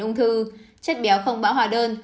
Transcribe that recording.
ung thư chất béo không bão hòa đơn